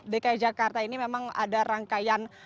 dki jakarta ini memang ada rangkaian